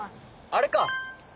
あれか！